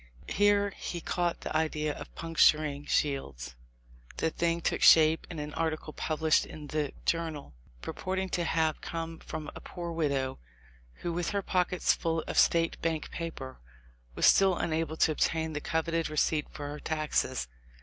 Here he caught the idea of puncturing THE LIFE OF LINCOLN. 233 Shields. The thing took shape in an article pub lished in the Journal, purporting to have come from a poor widow, who with her pockets full of State Bank paper was still unable to obtain the coveted receipt for her taxes.